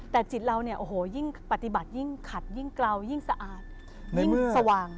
แต่จิตเรายิ่งปฏิบัติยิ่งขัดยิ่งกล่าวยิ่งสะอาดยิ่งสว่าง